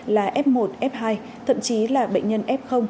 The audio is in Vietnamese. là f một f hai thậm chí là bệnh nhân f